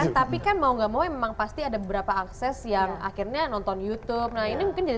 tapi kan mau gak mau memang pasti ada beberapa akses yang akhirnya nonton youtube nah ini mungkin jadi